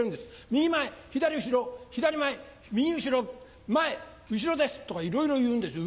右前左後ろ左前右後ろ前後ろですとかいろいろ言うんですよ